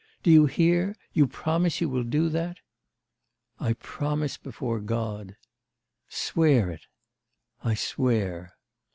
Do you hear? you promise you will do that?' 'I promise before God' 'Swear it.' 'I swear.